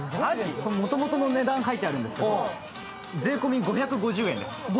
もともとの値段が書いてあるんですけど税込み５５０円です。